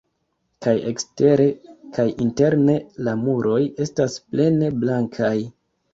Kaj ekstere kaj interne la muroj estas plene blankaj.